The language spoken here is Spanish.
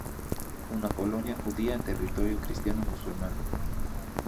Una colonia judía en territorio cristiano-musulmán.